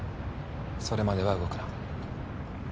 それまでは動くな。